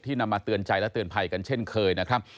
นำมาเตือนใจและเตือนภัยกันเช่นเคยนะครับ